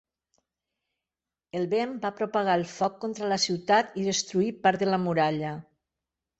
El vent va propagar el foc contra la ciutat i destruí part de la muralla.